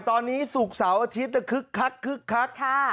ตอนนี้ศุกร์เสาร์อาทิตย์คึกคักคึกคัก